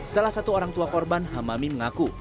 salah satu orang tua korban hamami mengaku